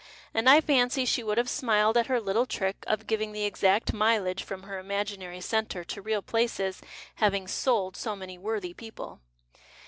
And I fancy she would liavc smiled at her little trick of giving the exact mileage from her imaginary centre to real places having " sold " so many worthy people.